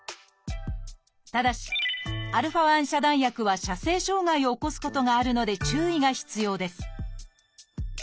ただしα遮断薬は射精障害を起こすことがあるので注意が必要です。